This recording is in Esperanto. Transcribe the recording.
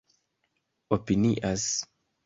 opinias